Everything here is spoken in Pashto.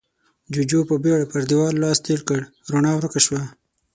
جُوجُو په بيړه پر دېوال لاس تېر کړ، رڼا ورکه شوه.